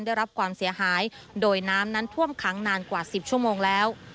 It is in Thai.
ได้รับความเสียหายโดยน้ำนั้นท่วมขังนานกว่า๑๐ชั่วโมงแล้ว